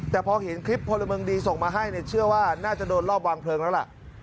แต่พอเห็นคลิปพลเมืองดีส่งมาให้เนี่ยเชื่อว่าน่าจะโดนรอบวางเพลิงแล้วล่ะ